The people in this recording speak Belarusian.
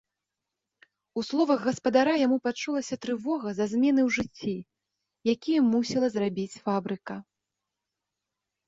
У словах гаспадара яму пачулася трывога за змены ў жыцці, якія мусіла зрабіць фабрыка.